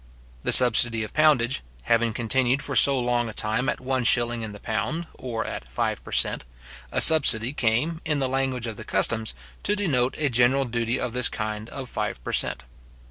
The subsidy of poundage having continued for so long a time at one shilling in the pound, or at five per cent., a subsidy came, in the language of the customs, to denote a general duty of this kind of five per cent.